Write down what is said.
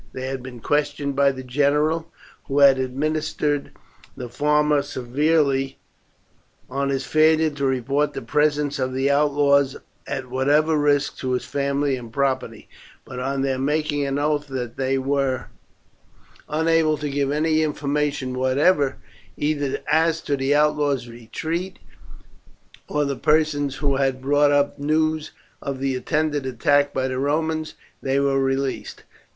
They had been questioned by the general, who had admonished the farmer severely on his failure to report the presence of the outlaws at whatever risk to his family and property; but on their taking an oath that they were unable to give any information whatever, either as to the outlaws' retreat or the persons who had brought up the news of the intended attack by the Romans, they were released.